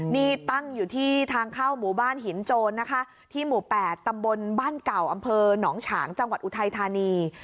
นี่ตั้งอยู่ที่ทางเข้าหมู่บ้านหินโจรนะคะที่หมู่๘ตำบลบ้านเก่าอำเภอหนองฉางจังหวัดอุทัยธานี